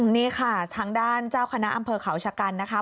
นี่ค่ะทางด้านเจ้าคณะอำเภอเขาชะกันนะคะ